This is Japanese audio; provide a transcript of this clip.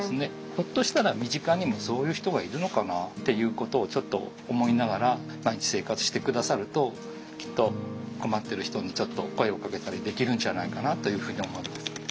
ひょっとしたら身近にもそういう人がいるのかなっていうことをちょっと思いながら毎日生活して下さるときっと困ってる人にちょっと声をかけたりできるんじゃないかなというふうに思います。